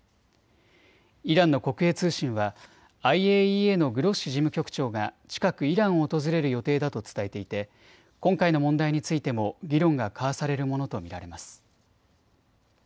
イランの国営通信はＩＡＥＡのグロッシ事務局長が近くイランを訪れる予定だと伝えていて今回の問題についても議論が交わされるものと見られます。